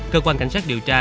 cơ quan cảnh sát điều tra